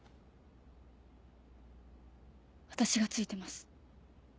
私がついてます。